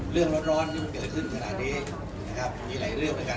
เรื่องร้อนยังเกิดขึ้นขนาดนี้นะครับมีหลายเรื่องแล้วกัน